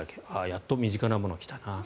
やっと身近なものが来たな。